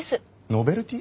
ノベルティ？